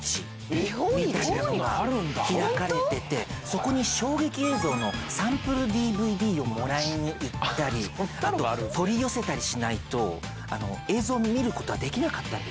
そこに衝撃映像のサンプルＤＶＤをもらいに行ったり取り寄せたりしないと映像を見ることはできなかったんです。